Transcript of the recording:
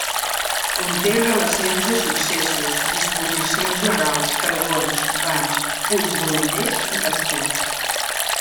Conté relacions de successos, disposicions legals, pregons, bans, fulls volanders i pasquins.